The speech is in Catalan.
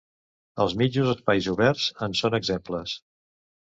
Els mitjos espais oberts en són exemples.